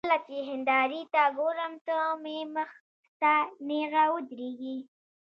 کله چې هندارې ته ګورم، ته مې مخ ته نېغه ودرېږې